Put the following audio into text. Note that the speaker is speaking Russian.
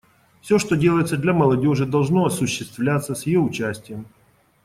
Все, что делается для молодежи, должно осуществляться с ее участием.